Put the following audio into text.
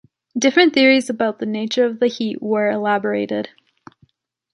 Different theories about the nature of the heat were elaborated.